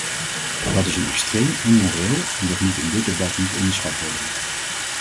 Dat is extreem immoreel en dat moet in dit debat niet onderschat worden.